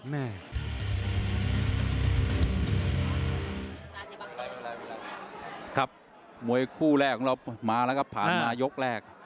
มวยคู่แรกของเรามาแล้วก็ผ่านมายกแรก